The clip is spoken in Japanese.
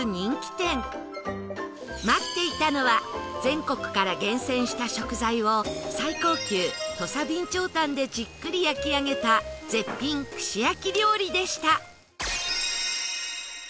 待っていたのは全国から厳選した食材を最高級土佐備長炭でじっくり焼き上げた絶品串焼き料理でした